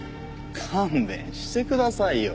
勘弁してくださいよ。